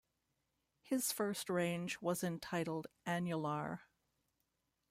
His first range was entitled 'Annular'.